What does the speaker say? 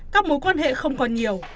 các mối quan hệ không còn nhiều